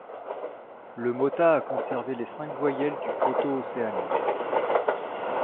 Le mota a conservé les cinq voyelles du proto-océanien.